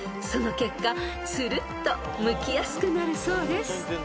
［その結果つるっとむきやすくなるそうです］